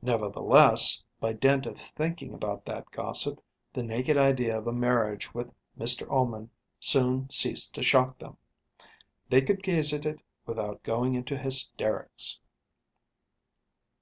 Nevertheless, by dint of thinking about that gossip, the naked idea of a marriage with Mr Ullman soon ceased to shock them. They could gaze at it without going into hysterics.